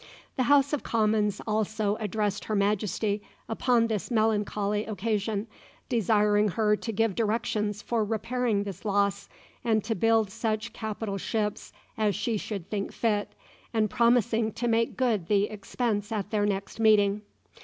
The House of Commons also addressed Her Majesty upon this melancholy occasion, desiring her to give directions for repairing this loss, and to build such capital ships as she should think fit, and promising to make good the expense at their next meeting.